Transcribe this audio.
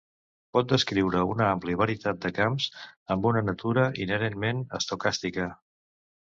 Pot descriure una amplia varietat de camps amb una natura inherentment estocàstica.